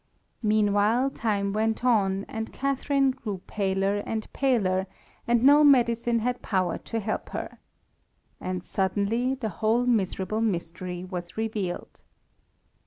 Meanwhile time went on, and Catharine grew paler and paler, and no medicine had power to help her. And suddenly the whole miserable mystery was revealed.